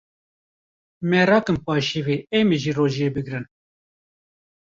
Me rakin paşîvê em ê jî rojiyê bigrin.